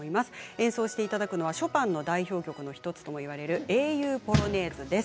演奏していただくのはショパンの代表曲の１つともいわれる「英雄ポロネーズ」です。